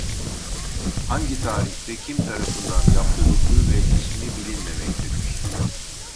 Hangi tarihte kim tarafından yaptırıldığı ve ismi bilinmemektedir.